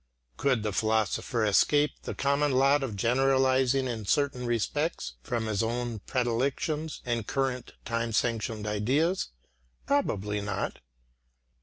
Could the philosopher escape the common lot of generalising in certain respects, from his own predilections and current time sanctioned ideas? Probably not.